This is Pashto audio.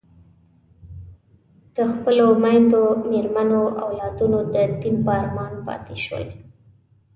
د خپلو میندو، مېرمنو او اولادونو د دیدن په ارمان پاتې شول.